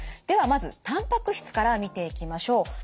ではまずたんぱく質から見ていきましょう。